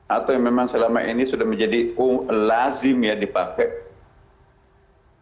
atau yang memang selama ini sudah menjadi lazim ya dipakai